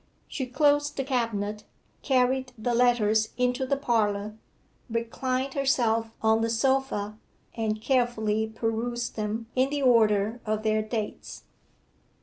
She closed the cabinet, carried the letters into the parlour, reclined herself on the sofa, and carefully perused them in the order of their dates.